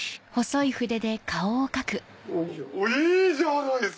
いいじゃないですか！